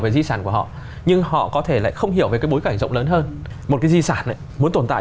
rộng lớn hơn một cái di sản muốn tồn tại